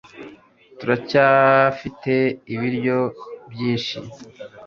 turacyafite ibiryo byinshi